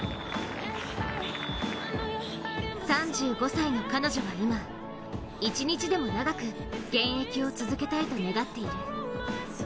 ３５歳の彼女は今、一日でも長く現役を続けたいと願っている。